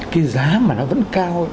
cái giá mà nó vẫn cao